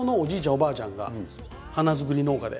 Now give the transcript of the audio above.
おばあちゃんが花作り農家で。